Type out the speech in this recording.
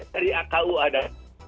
dari aku ada